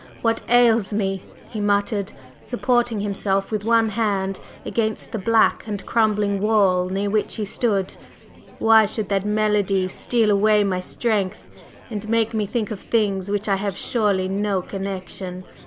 What ails me!" he muttered, supporting himself with one hand against the black and crumbling wall near which he stood. "Why should that melody steal away my strength and make me think of things with which I have surely no connection!